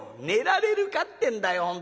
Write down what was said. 「寝られるかってんだよ